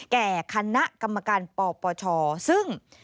แก่คณะกรรมการปปชซึ่ง